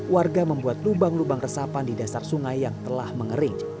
warga membuat lubang lubang resapan di dasar sungai yang telah mengering